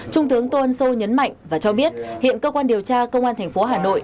trung tướng tôn sô nhấn mạnh và cho biết hiện cơ quan điều tra công an tp hà nội